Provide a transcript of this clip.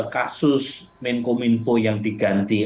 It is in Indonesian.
kasus menko minfo yang diganti